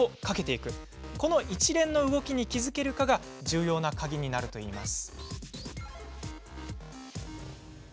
この一連の動きに気付けるかが重要な鍵になるといいます。